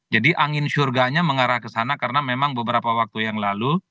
jadi angin syurganya mengarah ke sana karena memang beberapa waktu yang lalu